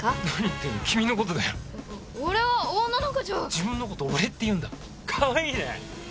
自分のこと俺って言うんだカワイイね。